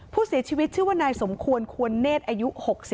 ผู้เสียชีวิตชื่อว่านายสมควรควรเนธอายุ๖๒